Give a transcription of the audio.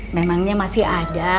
memangnya masih ada